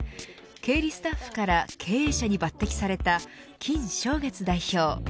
経理スタッフから経営者に抜てきされた金松月代表。